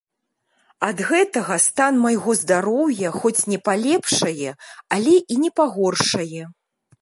Ад гэтага стан майго здароўя хоць не палепшае, але і не пагоршае.